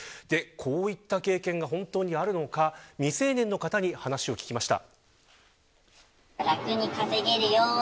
こういった経験が本当にあるのか未成年の方に話を聞きました。